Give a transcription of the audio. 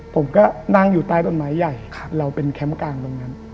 ผมก็นั่งอยู่ใต้ต้นไม้ใหญ่เราเป็นแคมป์กลางตรงนั้น